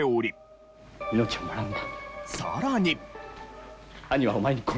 さらに。